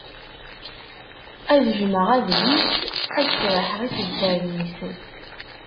Ad jmeɣ adlis ad sraḥeɣ isebtaren-is.